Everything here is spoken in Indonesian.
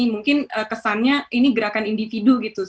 mungkin kesannya ini gerakan individu gitu